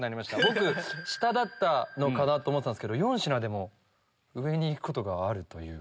僕下だったのかなと思ってたんですけど４品でも上にいくことがあるという。